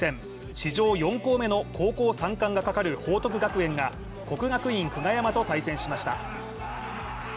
史上４校目の高校３冠がかかる報徳学園が国学院久我山と対戦しました。